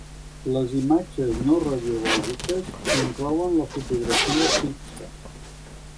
Les imatges no radiològiques inclouen la fotografia fixa.